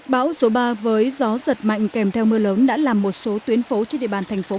bão số ba với gió giật mạnh kèm theo mưa lớn đã làm một số tuyến phố trên địa bàn thành phố